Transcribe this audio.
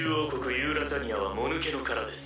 ユーラザニアはもぬけの殻です。